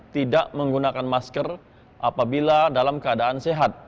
tidak menggunakan masker apabila dalam keadaan sehat